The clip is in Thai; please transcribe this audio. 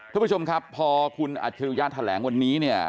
ทุกผู้ชมครับพอคุณอาชญญะแถลงวันนี้